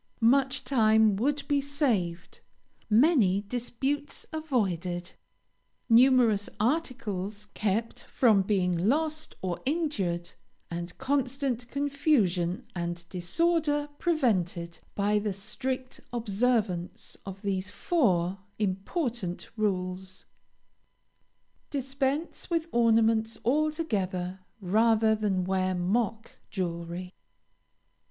Much time would be saved; many disputes avoided; numerous articles kept from being lost or injured, and constant confusion and disorder prevented, by the strict observance of these four important rules. Dispense with ornaments altogether rather than wear mock jewelry.